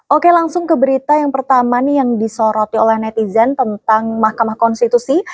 oke langsung ke berita yang pertama nih yang disoroti oleh netizen tentang mahkamah konstitusi